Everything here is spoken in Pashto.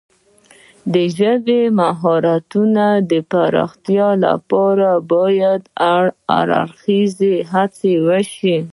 د ژبې د مهارتونو د پراختیا لپاره باید هر اړخیزه هڅې وشي.